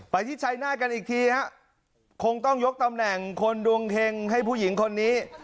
ที่ชัยหน้ากันอีกทีฮะคงต้องยกตำแหน่งคนดวงเฮงให้ผู้หญิงคนนี้